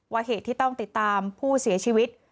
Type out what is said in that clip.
เหตุที่ต้องติดตามผู้เสียชีวิต